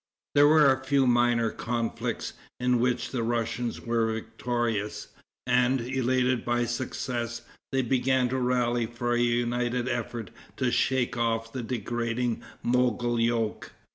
There were a few minor conflicts, in which the Russians were victorious, and, elated by success, they began to rally for a united effort to shake off the degrading Mogol yoke.